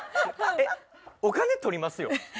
えっお金取りますよ？